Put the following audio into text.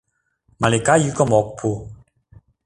Малика йӱкым ок пу.